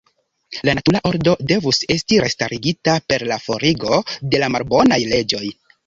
La natura ordo devus esti restarigita per la forigo de la malbonaj leĝoj.